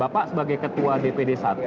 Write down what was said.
bapak sebagai ketua dpd satu